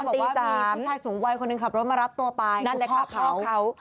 ตอนตี๓บอกว่ามีผู้ชายสูงวัยคนหนึ่งขับรถมารับตัวไปคือพ่อเขา